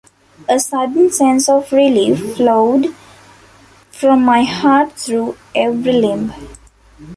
A sudden sense of relief flowed from my heart through every limb.